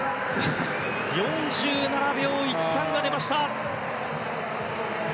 ４７秒１３が出ました！